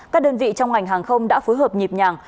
các đơn vị trong ngành hàng không đã phối hợp nhịp nhàng